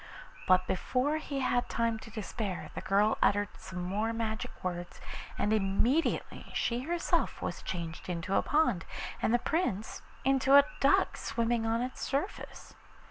But before he had time to despair the girl uttered some more magic words, and immediately she herself was changed into a pond, and the Prince into a duck swimming on its surface.